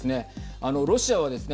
あの、ロシアはですね